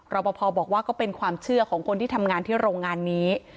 ปภบอกว่าก็เป็นความเชื่อของคนที่ทำงานที่โรงงานนี้